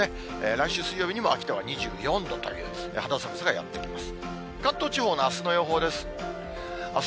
来週水曜日にも秋田は２４度という、肌寒さがやって来ます。